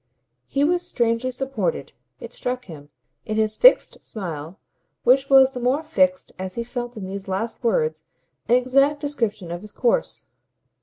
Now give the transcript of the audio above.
He was strangely supported, it struck him, in his fixed smile; which was the more fixed as he felt in these last words an exact description of his course.